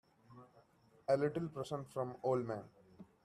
A little present from old man.